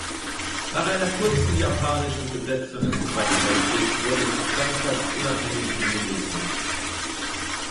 Nach einer kurzen japanischen Besetzung im Zweiten Weltkrieg wurde es Bestandteil des unabhängigen Indonesiens.